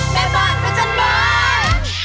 แม่บ้านพระจันทร์บ้าน